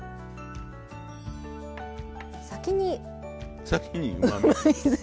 先に。